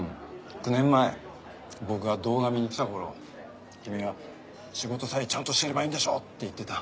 ９年前僕が堂上に来た頃君は「仕事さえちゃんとしてればいいんでしょ」って言ってた。